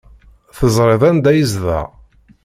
Teẓriḍ anda ay yezdeɣ?